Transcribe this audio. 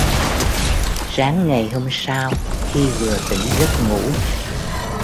Sáng ngày hôm sau khi vừa tỉnh giấc ngủ